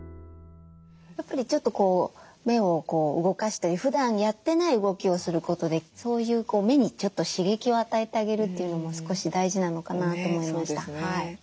やっぱりちょっとこう目を動かしたりふだんやってない動きをすることでそういう目にちょっと刺激を与えてあげるというのも少し大事なのかなと思いました。